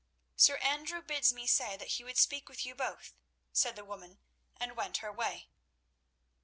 "Sir Andrew bids me say that he would speak with you both," said the woman, and went her way.